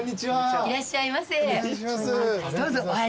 いらっしゃいませ。